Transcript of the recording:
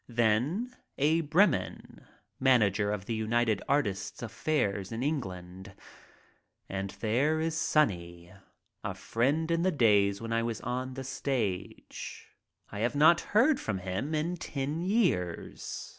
Then Abe Breman, manager of the United Artists' affairs in England. And there is "Sonny," a friend in the days when I was on the stage. I have not heard from him in ten years.